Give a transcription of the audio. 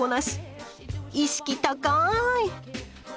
意識高い！